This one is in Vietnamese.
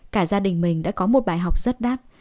cả gia đình mình đã có một bài học rất đát